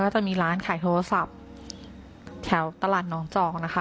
จะมีร้านขายโทรศัพท์แถวตลาดน้องจอกนะคะ